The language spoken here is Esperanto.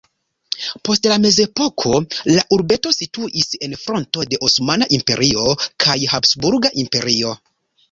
Post la mezepoko la urbeto situis en fronto de Osmana Imperio kaj Habsburga Imperio.